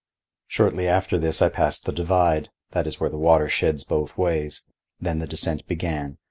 Shortly after this I passed the divide—that is where the water sheds both ways—then the descent began.